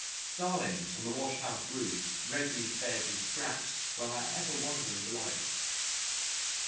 Starlings on the washhouse roof, regularly fed with scraps, were ever her wonder and delight.